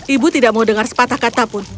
ibu tidak mau dengar sepatah kata pun